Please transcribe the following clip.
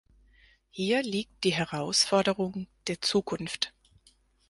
Hier liegt die Herausforderung der Zukunft.